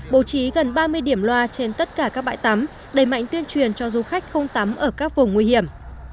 bố trí gần ba mươi điểm loa trên tất cả các bãi tắm đẩy mạnh tuyên truyền cho du khách không tắm ở các vùng nguy hiểm